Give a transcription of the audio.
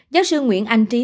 giáo sư nguyễn anh trí nói